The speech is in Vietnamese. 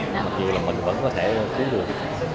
một điều là mình vẫn có thể cứu được